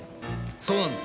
そうなんです。